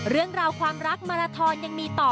เรื่องราวความรักมาราทอนยังมีต่อ